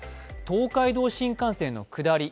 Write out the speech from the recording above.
東海道新幹線の下り